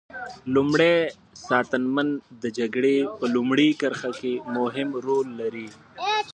لومری ساتنمن د جګړې په لومړۍ کرښه کې مهم رول لري.